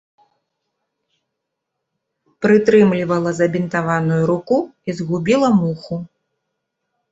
Прытрымлівала забінтаваную руку і згубіла муху.